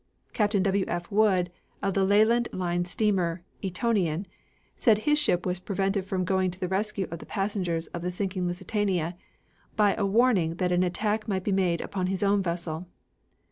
Captain W. F. Wood, of the Leyland Line steamer Etonian, said his ship was prevented from going to the rescue of the passengers of the sinking Lusitania by a warning that an attack might be made upon his own vessel.